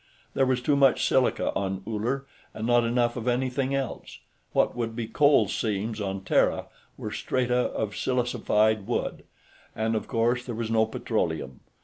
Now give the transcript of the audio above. There was too much silica on Uller, and not enough of anything else; what would be coal seams on Terra were strata of silicified wood. And, of course, there was no petroleum.